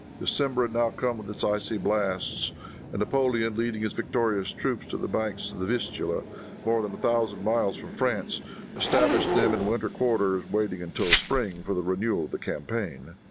December had now come with its icy blasts, and Napoleon, leading his victorious troops to the banks of the Vistula, more than a thousand miles from France, established them in winter quarters, waiting until spring for the renewal of the campaign.